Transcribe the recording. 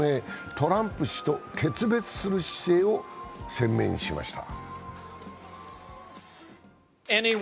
トランプ氏と決別する姿勢を鮮明にしました。